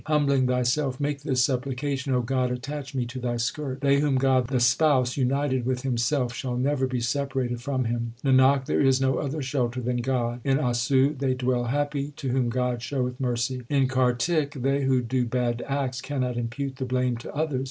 Humbling thyself make this supplication, O God, attach me to Thy skirt ! They whom God the Spouse united with Himself shall never be separated from Him. Nanak, there is no other shelter than God. In Assu they dwell happy to whom God showeth mercy. In Kartik they who do bad acts cannot impute the blame to others.